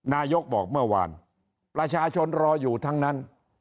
นายกบอกเมื่อวานประชาชนรออยู่ทั้งนั้น